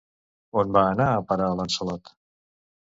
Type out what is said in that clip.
On va anar a parar Lançalot?